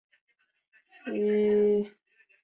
其地位可以与意大利的蒙特威尔第相媲美。